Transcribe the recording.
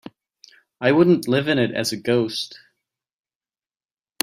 I wouldn't live in it as a ghost.